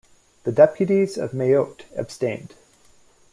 The deputies of Mayotte abstained.